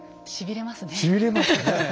しびれますねえ。